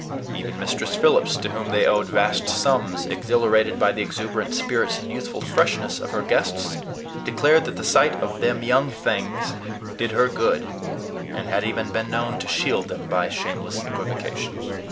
Even Mistress Phillips, to whom they owed vast sums, exhilarated by the exuberant spirits and youthful freshness of her guests, declared that the sight of "them young things" did her good, and had even been known to shield them by shameless equivocation.